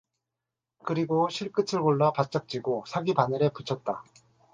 그리고 실끝을 골라 바짝 쥐고 사기바늘에 붙였다.